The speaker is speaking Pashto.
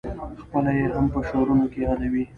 خپله یې هم په شعرونو کې یادوې.